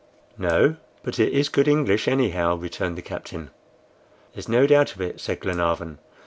"No, but it is good English anyhow," returned the captain. "There's no doubt of it," said Glenarvan.